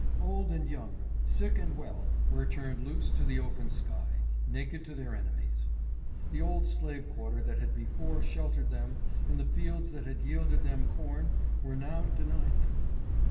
Old and young, sick and well, were turned loose to the open sky, naked to their enemies. The old slave quarter that had before sheltered them and the fields that had yielded them corn were now denied them.